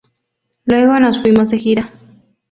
Luego nos fuimos de gira.